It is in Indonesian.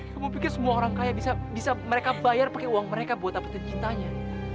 kamu pikir semua orang kaya bisa mereka bayar pake uang mereka buat dapetin cintanya